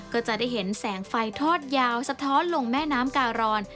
ก็จะได้เห็นแสงไฟทอดยาวสะท้อนลงแม่น้ำการอน